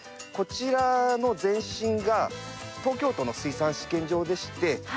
こちらの前身が東京都の水産試験場でして。